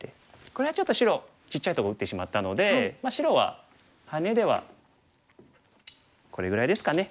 これはちょっと白ちっちゃいとこ打ってしまったので白はハネではこれぐらいですかね。